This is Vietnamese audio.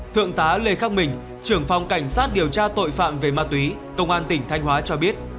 thượng tá lê khắc mình trưởng phòng cảnh sát điều tra tội phạm về ma túy công an tỉnh thanh hóa cho biết